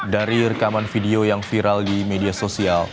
dari rekaman video yang viral di media sosial